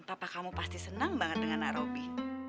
papa kamu pasti seneng banget dengan robby